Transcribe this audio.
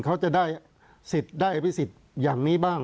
เขาจะได้สิทธิ์ได้อภิษฎอย่างนี้บ้าง